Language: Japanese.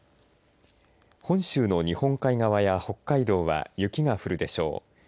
本州の日本海側や北海道は雪が降るでしょう。